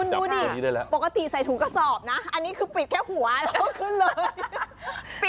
ดูดิปกติใส่ถุงกระสอบนะอันนี้คือปิดแค่หัวแล้วก็ขึ้นเลย